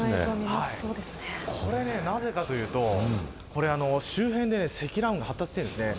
なぜかというと周辺で積乱雲が発達しているんです。